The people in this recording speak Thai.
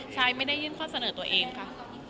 ชายไม่ได้ยื่นข้อเสนอตัวเองค่ะ